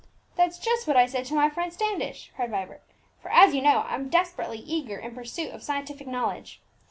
"That's just what I said to my friend Standish," cried Vibert; "for, as you know, I'm desperately eager in pursuit of scientific knowledge.